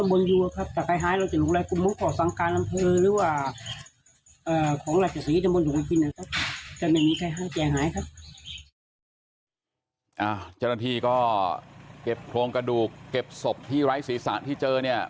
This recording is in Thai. เจ้าหน้าที่ก็เก็บโครงกระดูกเก็บศพที่ไร้ศีรษะที่เจอเนี่ย